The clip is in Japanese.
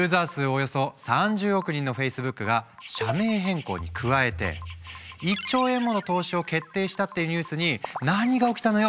およそ３０億人のフェイスブックが社名変更に加えて１兆円もの投資を決定したっていうニュースに何が起きたのよ？